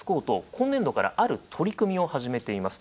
今年度からある取り組みを始めています。